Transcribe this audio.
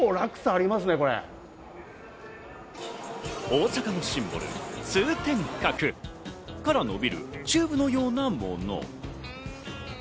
大阪のシンボル・通天閣から伸びるチューブのようなもの。